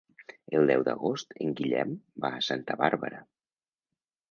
El deu d'agost en Guillem va a Santa Bàrbara.